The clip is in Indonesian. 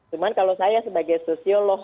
cuma kalau saya sebagai sosiolog